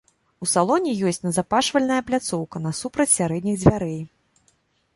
У салоне ёсць назапашвальная пляцоўка насупраць сярэдніх дзвярэй.